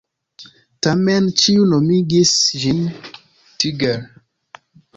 Tamen ĉiu nomigis ĝin Tiger.